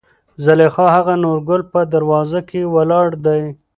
زليخا : هغه نورګل په دروازه کې ولاړ دى.